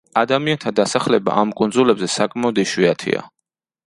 ადამიანთა დასახლება ამ კუნძულებზე საკმაოდ იშვიათია.